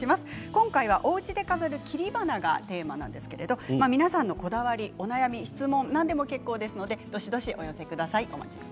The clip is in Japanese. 今回はおうちで飾る切り花がテーマなんですけれども皆さんのこだわりや、お悩み質問何でも結構ですのでどしどしお寄せください。